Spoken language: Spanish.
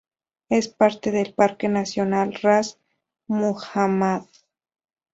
Es parte del Parque nacional Ras Muhammad.